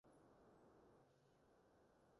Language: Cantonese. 佢係名副其實嘅神射手